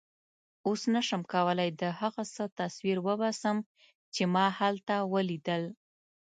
اوس نه شم کولای د هغه څه تصویر وباسم چې ما هلته ولیدل.